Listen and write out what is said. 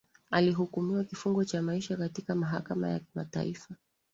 alihukumiwa kifungo cha maisha katika mahakama ya kimataifa